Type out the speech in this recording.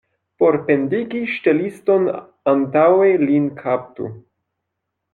Por pendigi ŝteliston, antaŭe lin kaptu.